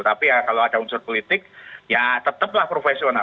tapi ya kalau ada unsur politik ya tetaplah profesional